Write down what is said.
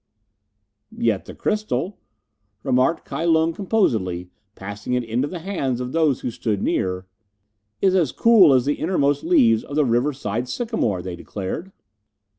"Yet the crystal " remarked Kai Lung composedly, passing it into the hands of those who stood near. "Is as cool as the innermost leaves of the riverside sycamore," they declared.